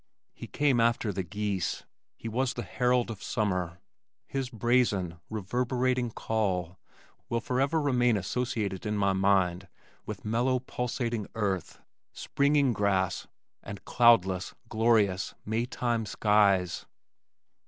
He came after the geese. He was the herald of summer. His brazen, reverberating call will forever remain associated in my mind with mellow, pulsating earth, springing grass and cloudless glorious May time skies.